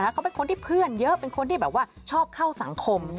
เขาเป็นคนที่เพื่อนเยอะเป็นคนที่แบบว่าชอบเข้าสังคม